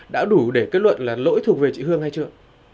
đã đủ để kết luận là lỗi thuộc về chị hương hay chưa